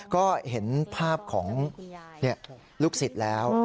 ก็เห็นภาพของลูกศิษย์แล้ว